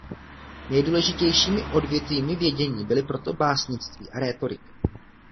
Nejdůležitějšími odvětvími vědění byly proto básnictví a rétorika.